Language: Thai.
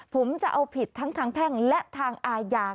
ผมจะเอาผิดทั้งทางแพ่งและทางอาญา